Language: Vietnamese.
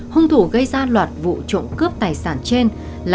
hung thủ gây ra loạt vụ trộm cướp tài sản trên là